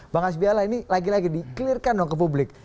bang hasbiala ini lagi lagi di clear kan dong ke publik